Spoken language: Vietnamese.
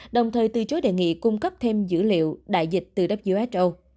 đồng thời từ chối đề nghị cung cấp thêm dữ liệu đại dịch từ who